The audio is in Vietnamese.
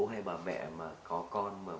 hay bà mẹ mà có con